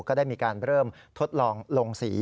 ก็ได้มีการเริ่มทดลองลงสี